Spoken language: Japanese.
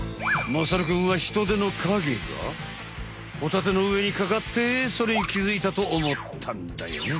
まさるくんはヒトデの影がホタテのうえにかかってそれに気づいたと思ったんだよね。